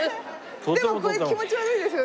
でもこれ気持ち悪いですよね。